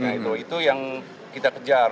nah itu yang kita kejar